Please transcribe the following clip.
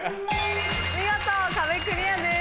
見事壁クリアです。